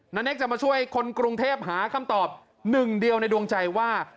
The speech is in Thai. เนกจะมาช่วยคนกรุงเทพหาคำตอบหนึ่งเดียวในดวงใจว่า